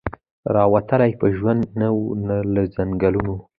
را وتلی په ژوند نه وو له ځنګلونو